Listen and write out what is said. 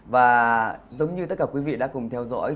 và giống như tất cả quý vị đã cùng theo dõi